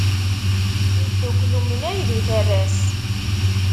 Iddukel umnay d uterras.